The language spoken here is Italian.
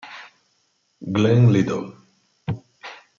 Glen Little